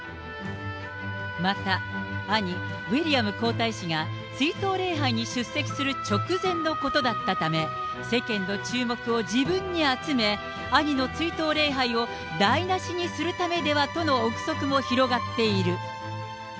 また、兄、ウィリアム皇太子が追悼礼拝に出席する直前のことだったため、世間の注目を自分に集め、兄の追悼礼拝を台なしにするためではとの臆測も広がっている。